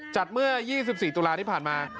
จัดเมื่อ๒๔ตุลาที่ผ่านมา